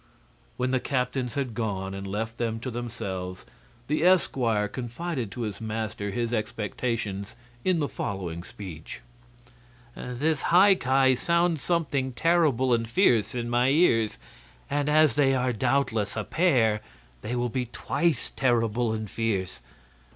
When the captains had gone and left them to themselves, the esquire confided to his master his expectations in the following speech: "This High Ki sounds something terrible and fierce in my ears, and as they are doubtless a pair, they will be twice terrible and fierce.